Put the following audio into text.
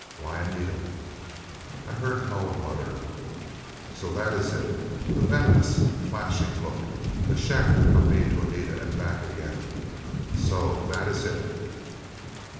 "Why, Anita!" I heard Moa mutter, "So that is it?" A venomous flashing look a shaft from me to Anita and back again. "So that is it?"